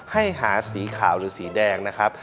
ให้หาสีขาวหรือสีแดงนะครับ